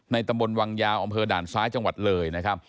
ตำบลวังยาวอำเภอด่านซ้ายจังหวัดเลยนะครับ